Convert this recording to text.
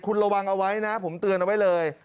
คุณระวังเอาไว้นะผมเตือนเอาไว้เลย